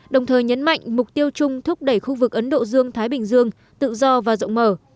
đồng thời nhấn mạnh mục tiêu chung thúc đẩy khu vực ấn độ dương thái bình dương tự do và rộng mở